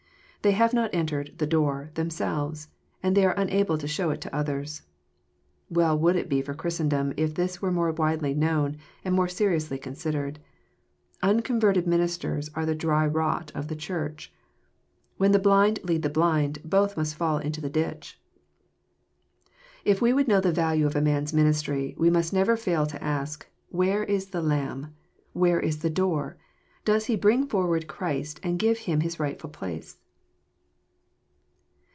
They have not entered*' the door themselves, and they are unable to show it to others. Well would it be for Christendom if this were more widely known, and more seriously considered 1 Unconverted min isters are the dry rot of the Church. "When__the^ blind lead the blind " both iQust fall into the ditch. If we would know the value of a man's ministry, we must never fail to ask. Where is the Lamb? Where is the Door? Does he bring forward Christ, and gives Him his rightful place?